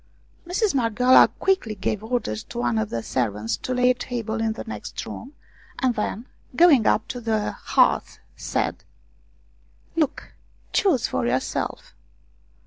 38 ROUMANIAN STORIES Mistress Marghioala quickly gave orders to one of the servants to lay a table in the next room, and then, going up to the hearth, said : "Look, choose for yourself."